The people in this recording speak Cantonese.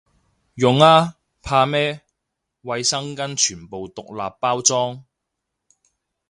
用啊，怕咩，衛生巾全部獨立包裝